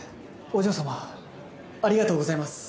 お嬢様ありがとうございます。